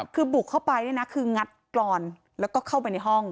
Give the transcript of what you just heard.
คือบุกเข้าไปเนี่ยนะคืองัดกรอนแล้วก็เข้าไปในห้อง